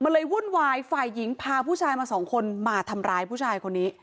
มันเลยวุ่นวายฝ่ายหญิงพาผู้ชายมาสองคนมาทำร้ายผู้ชายคนนี้